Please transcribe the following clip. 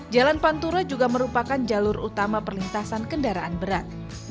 jalan pantura juga merupakan jalur utama perlintasan kendaraan berat